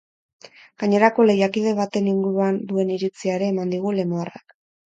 Gainerako lehiakide baten inguruan duen iritzia ere eman digu lemoarrak.